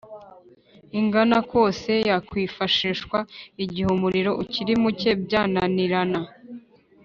Ingana kose yakwifashishwa igihe umuriro ukiri muke byananirana